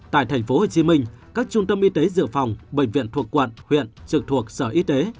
tại tp hcm các trung tâm y tế dự phòng bệnh viện thuộc quận huyện trực thuộc sở y tế